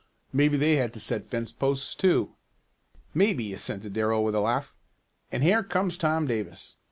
"Maybe they had to set fence posts too." "Maybe," assented Darrell with a laugh. "And here comes Tom Davis.